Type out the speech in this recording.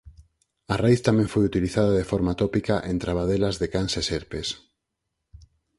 A raíz tamén foi utilizada de forma tópica en trabadelas de cans e serpes.